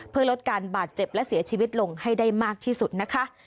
เพื่อลดการบาดเจ็บและเสียชีวิตลงให้ได้มากที่สุดนะคะ